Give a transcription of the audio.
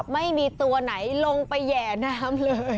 ไม่มีตัวไหนลงไปแห่น้ำเลย